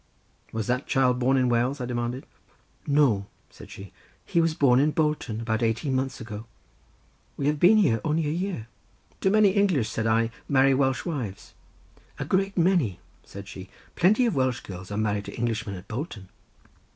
"Was that child born in Wales?" I demanded. "No," said she, "he was born at Bolton about eighteen months ago—we have been here only a year." "Do many English," said I, "marry Welsh wives?" "A great many," said she. "Plenty of Welsh girls are married to Englishmen at Bolton."